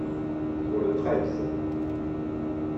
Sur le treize.